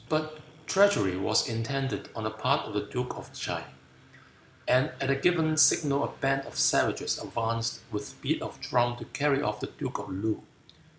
But treachery was intended on the part of the duke of T'se, and at a given signal a band of savages advanced with beat of drum to carry off the duke of Loo.